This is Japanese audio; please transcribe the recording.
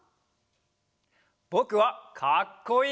ぼくはかっこいい